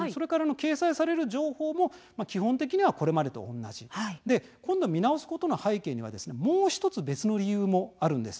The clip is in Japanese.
掲載される情報も基本的には、これまでと同じ見直すことの背景に、もう１つ別の理由もあるんです。